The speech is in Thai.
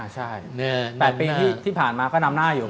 ใช่๘ปีที่ผ่านมาก็นำหน้าอยู่